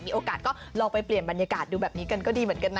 มีโอกาสก็ลองไปเปลี่ยนบรรยากาศดูแบบนี้กันก็ดีเหมือนกันนะ